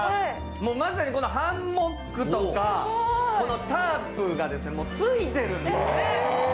まさにハンモックとかタープがついてるんですね。